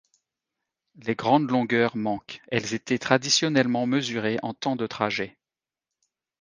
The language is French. Les grandes longueurs manquent, elles étaient traditionnellement mesurées en temps de trajet.